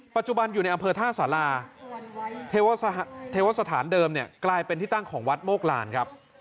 ปัจจุบันอยู่ในอำเภอท่าสาราเทวสถานเดิมเนี่ยกลายเป็นที่ตั้งของวัดโมกลานครับ